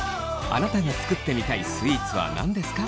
あなたが作ってみたいスイーツは何ですか？